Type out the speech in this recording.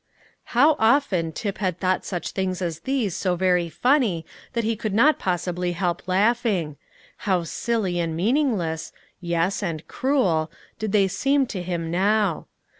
How often Tip had thought such things as these so very funny that he could not possibly help laughing; how silly and meaningless yes, and cruel did they seem to him now!